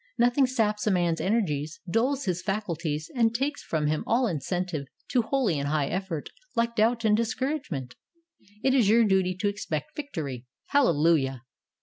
Nothing saps a man's energies, dulls his faculties and takes from him all incentive to holy and high effort like doubt and discouragement. It is your duty to expect victory. Hallelujah!